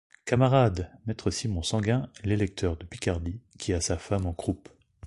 Camarades! maître Simon Sanguin, l’électeur de Picardie, qui a sa femme en croupe.